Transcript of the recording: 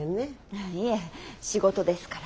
いいえ仕事ですから。